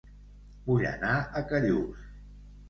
Vull anar a Callús